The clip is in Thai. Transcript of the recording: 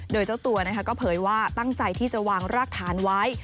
โดยเจ้าตัวก็เผยว่าตั้งใจที่จะวางรากฐานไว้